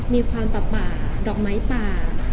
มีความป่าดอกไม้ป่า